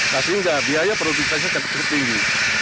nah sehingga biaya produksinya jauh jauh tinggi